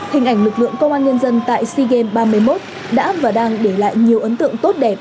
hình ảnh lực lượng công an nhân dân tại sea games ba mươi một đã và đang để lại nhiều ấn tượng tốt đẹp